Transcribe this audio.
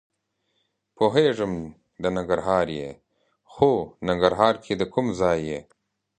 پوهېږم د ننګرهار یې؟ خو ننګرهار کې د کوم ځای یې؟